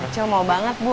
cil mau banget bu